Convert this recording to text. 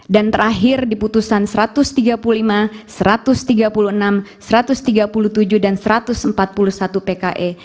dan terakhir di putusan satu ratus tiga puluh lima satu ratus tiga puluh enam satu ratus tiga puluh tujuh dan satu ratus empat puluh satu pke